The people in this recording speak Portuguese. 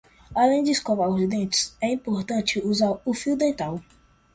Além de escovar os dentes, é importante usar fio dental.